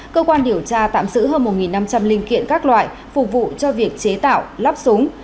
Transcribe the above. cơ quan điều tra tạm giữ hơn một năm trăm linh linh kiện các loại phục vụ cho việc chế tạo lắp súng